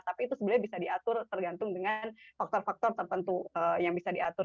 tapi itu sebenarnya bisa diatur tergantung dengan faktor faktor tertentu yang bisa diatur